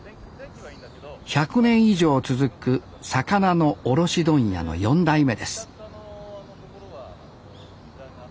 １００年以上続く魚の卸問屋の４代目です